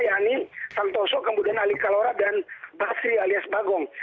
yakni santoso kemudian ali kalora dan basri alias bagong